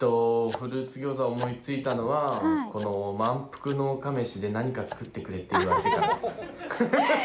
フルーツギョーザを思いついたのはこの「まんぷく農家メシ！」で何か作ってくれって言われてからです。